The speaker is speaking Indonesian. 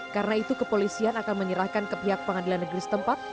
karena itu kepolisian akan menyerahkan ke pihak pengadilan negeri setempat